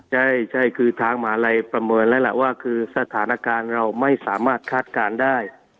ใช่คือทางหมาลัยประเมินแล้วแหละว่าคือสถานการณ์เราไม่สามารถคาดการณ์ได้